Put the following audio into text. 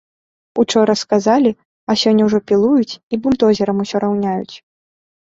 Учора сказалі, а сёння ўжо пілуюць і бульдозерамі ўсё раўняюць!